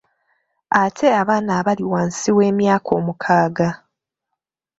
Ate abaana abali wansi w'emyaka omukaaga?